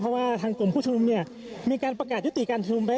เพราะว่าทางกลุ่มผู้ชุมนุมเนี่ยมีการประกาศยุติการชุมนุมไว้